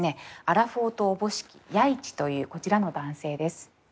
アラフォーとおぼしき弥一というこちらの男性です。